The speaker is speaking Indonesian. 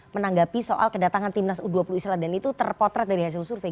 menanggapi soal kedatangan timnas u dua puluh israel dan itu terpotret dari hasil survei